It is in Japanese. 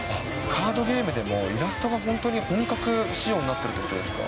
カードゲームでも、イラストが本当に本格仕様になってるってことですか？